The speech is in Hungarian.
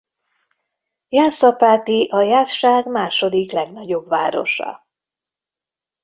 Jászapáti a Jászság második legnagyobb városa.